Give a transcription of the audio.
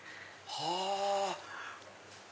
はぁ！